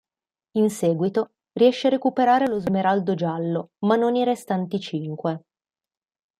In seguito, riesce a recuperare lo smeraldo giallo ma non i restanti cinque.